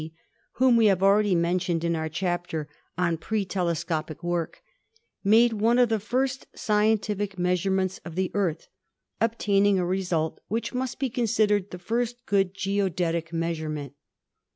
c), whom we have already mentioned in our chapter on pretelescopic work, made one of the first scientific measurements of the Earth, obtaining a re sult which must be considered the first good geodetic 147 i 4 8 ASTRONOMY measurement.